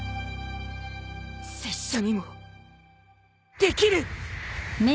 拙者にもできる。